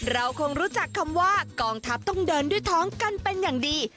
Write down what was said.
เราคงรู้จักคำว่ากองทัพต้องเดินด้วยท้องกันเป็นอย่างดี